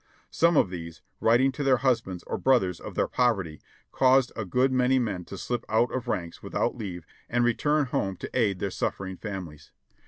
Some of these, writing to their husbands or brothers of their pov erty, caused a good many men to slip out of ranks without leave and return home to aid their suffering families.